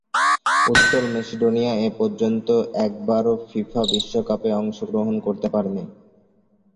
উত্তর মেসিডোনিয়া এপর্যন্ত একবারও ফিফা বিশ্বকাপে অংশগ্রহণ করতে পারেনি।